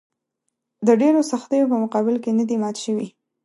د ډېرو سختیو په مقابل کې نه دي مات شوي.